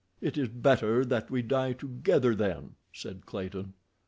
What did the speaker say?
"It is better that we die together, then," said Clayton.